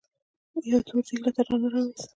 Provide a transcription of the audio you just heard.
يو تور دېګ يې له تناره راوېست.